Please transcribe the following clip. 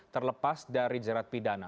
terlepas dari jerat pidana